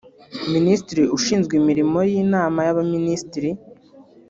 Minisitiri Ushinzwe Imirimo y’Inama y’abaminisitiri